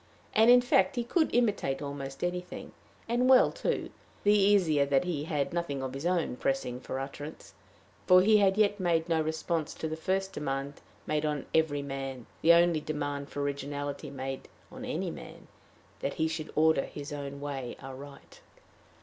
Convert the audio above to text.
And in fact he could imitate almost anything and well, too the easier that he had nothing of his own pressing for utterance; for he had yet made no response to the first demand made on every man, the only demand for originality made on any man that he should order his own way aright.